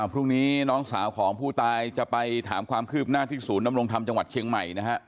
พรุ่งนี้น้องสาวของผู้ตายจะไปถามความคืบหน้าที่ศูนย์นำรงธรรมจังหวัดเชียงใหม่นะฮะ